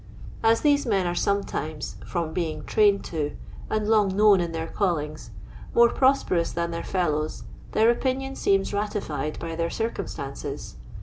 As these men are some times, from being trained to, and long known in their callings, more prosperous than their fellows, their opinions seem ratified by their circumstances.